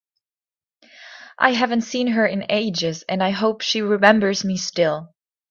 I haven’t seen her in ages, and I hope she remembers me still!